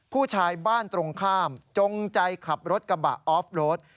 ผู้ชายบ้านตรงข้ามจงใจขับรถกระบะออฟโรด